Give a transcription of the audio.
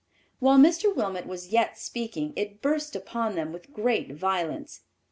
While Mr. Wilmot was yet speaking, it burst upon them with great violence.